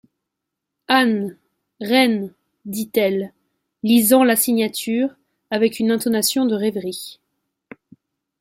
Anne, reine, dit-elle, lisant la signature, avec une intonation de rêverie.